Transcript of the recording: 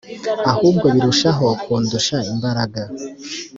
ahubwo birushaho kundusha imbaraga